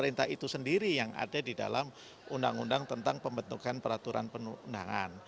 pemerintah itu sendiri yang ada di dalam undang undang tentang pembentukan peraturan perundangan